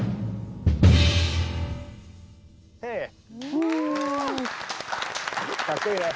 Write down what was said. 僕のかっこいいね。